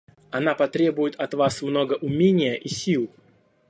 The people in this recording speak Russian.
Она потребует от Вас много умения и сил.